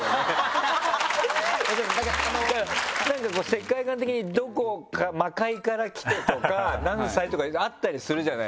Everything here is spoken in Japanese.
世界観的にどこか「魔界から来て」とか「何歳」とかあったりするじゃない？